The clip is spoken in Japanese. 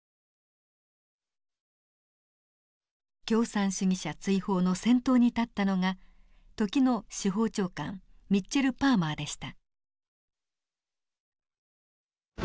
共産主義者追放の先頭に立ったのが時の司法長官ミッチェル・パーマーでした。